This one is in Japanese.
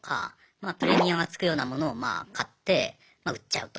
まあプレミアムがつくようなものをまあ買ってまあ売っちゃうと。